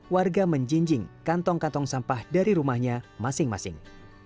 warga menjinjing kantong kantong sampah dari rumahnya masing masing